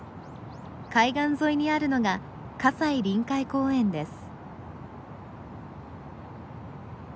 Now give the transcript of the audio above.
海岸沿いにあるのが西臨海公園です。